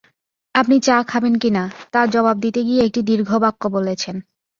আপনি চা খাবেন কি না, তার জবাব দিতে গিয়ে একটি দীর্ঘ বাক্য বলেছেন।